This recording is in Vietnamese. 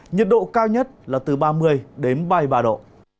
nhiệt độ cao nhất là từ ba mươi đến ba mươi ba độ